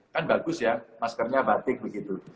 kan bagus ya maskernya batik begitu